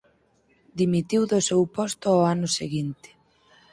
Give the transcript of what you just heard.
Dimitiu do seu posto ao ano seguinte.